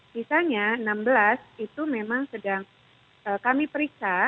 sisanya enam belas itu memang sedang kami periksa